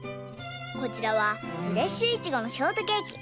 こちらはフレッシュイチゴのショートケーキ。